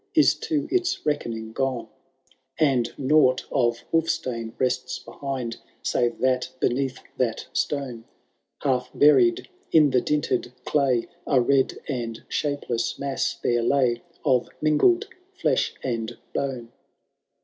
Is to its reckoning gone ; And nought of Wul&tane rests behind, Save that beneath that stone. Half buried in the dinted clay, A red and shapeless mass there lay Of mingled flesh and bone